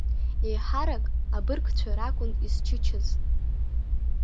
Еиҳарак абыргцәа ракәын изчычаз.